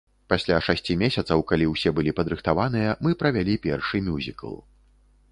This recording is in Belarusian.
Пасля шасці месяцаў, калі ўсе былі падрыхтаваныя, мы правялі першы мюзікл.